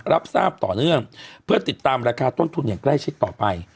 รับทราบต่อเนื่องเพื่อติดตามราคาต้นทุนอย่างใกล้ชิดต่อไป